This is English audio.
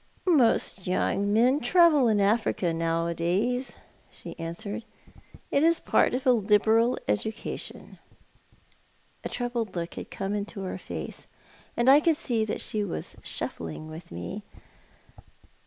" Most young men travel in Africa nowaaays," she answered. " It is part of a liberal education." A troubled look had come into her face, and I could see that she was shuffling with me.